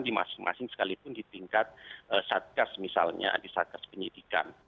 di masing masing sekalipun di tingkat satkas misalnya di satkas pendidikan